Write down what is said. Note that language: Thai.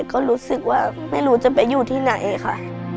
ก็รู้สึกว่าไม่รู้จะไปอยู่ที่ไหนค่ะ